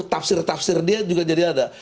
tafsir tafsir dia juga jadi ada